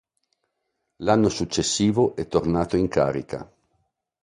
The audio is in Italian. L'anno successivo è tornato in carica.